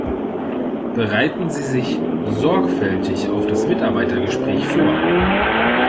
Bereiten Sie sich sorgfältig auf das Mitarbeitergespräch vor!